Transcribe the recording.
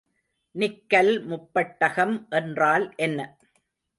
Nickel முப்பட்டகம் என்றால் என்ன?